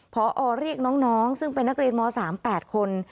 พอเรียกน้องซึ่งไปนักเรียนหม๓แบตคน